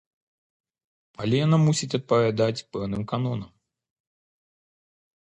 Але яна мусіць адпавядаць пэўным канонам.